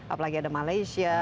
apalagi ada malaysia